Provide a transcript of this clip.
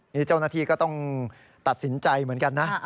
นี่เจ้าหน้าที่ก็ต้องตัดสินใจเหมือนกันนะ